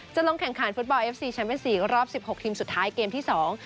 ลงแข่งขันฟุตบอลเอฟซีแชมเป็นสี่รอบสิบหกทีมสุดท้ายเกมที่สอง